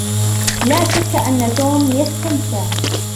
لا شك أن توم يستمتع.